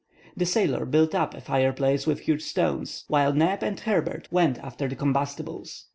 The sailor built up a fireplace with huge stones, while Neb and Herbert went after the combustibles.